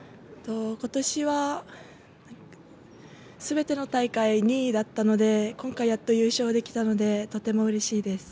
今年はすべての大会２位だったので今回やっと優勝できてとてもうれしいです。